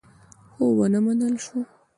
خو ونه منل شوه.